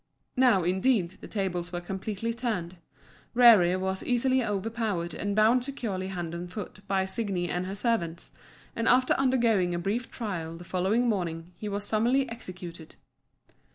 Now, indeed, the tables were completely turned. Rerir was easily overpowered and bound securely hand and foot by Signi and her servants, and after undergoing a brief trial the following morning he was summarily executed.